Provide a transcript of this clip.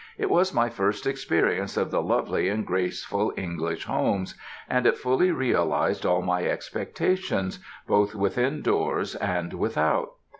It was my first experience of the lovely and graceful English homes, and it fully realised all my expectations, both within doors and without.